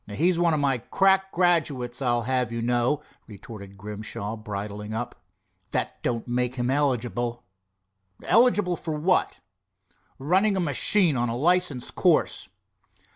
"He's one of my crack graduates, I'd have you know," retorted Grimshaw, bridling up. "That don't make him eligible." "Eligible for what?" "Running a machine on a licensed course."